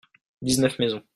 dix-neuf maisons.